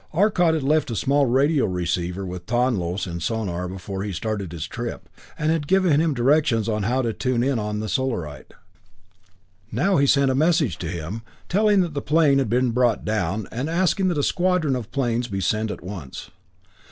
Arcot had left a small radio receiver with Tonlos in Sonor before he started on this trip, and had given him directions on how to tune in on the Solarite. Now he sent a message to him, telling that the plane had been brought down, and asking that a squadron of planes be sent at once.